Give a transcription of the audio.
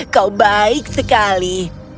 kau baik sekali